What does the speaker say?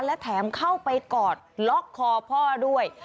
และแถมเข้าไปกอดล็อกคอพ่อด้วย